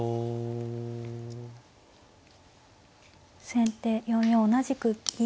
後手４四同じく金。